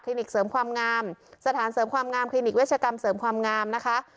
นิกเสริมความงามสถานเสริมความงามคลินิกเวชกรรมเสริมความงามนะคะ